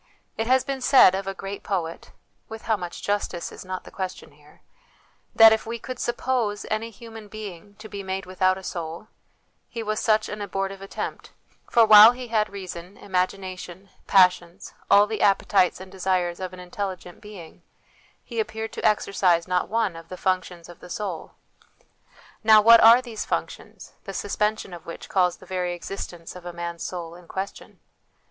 It has been said of a great poet with how much justice is not the question here that if we could suppose any human being to be made without a soul, he was such an abortive attempt ; for while he had reason, imagina tion, passions, all the appetites and desires of an intelligent being, he appeared to exercise not one of the functions of the soul. Now, what are these func tions, the suspension of which calls the very existence of a man's soul in question